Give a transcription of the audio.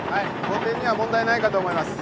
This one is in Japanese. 工程には問題ないかと思います。